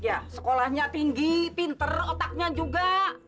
ya sekolahnya tinggi pinter otaknya juga